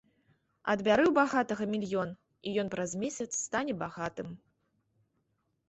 Адбяры ў багатага мільён, і ён праз месяц стане багатым.